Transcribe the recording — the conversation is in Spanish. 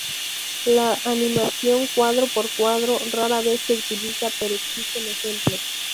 La animación cuadro por cuadro rara vez se utiliza, pero existen ejemplos.